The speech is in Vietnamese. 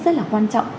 rất là quan trọng